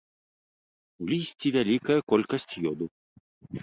У лісці вялікая колькасць ёду.